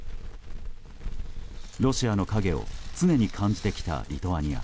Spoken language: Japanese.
ロシアの影を常に感じてきたリトアニア。